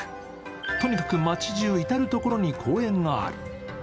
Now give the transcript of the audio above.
とにかく街じゅう至るところに、公園がある。